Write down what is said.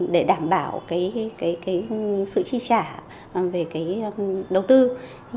để đảm bảo sự chi trả về đồng tiền